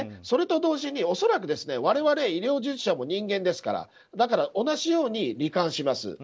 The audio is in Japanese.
それと同時に恐らく我々、医療従事者も人間ですからだから同じように、り患します。